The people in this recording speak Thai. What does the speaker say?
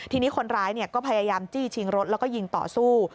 ทีนี้คนร้ายก็พยายามจี้ชิงรถแล้วก็ยิงต่อสู้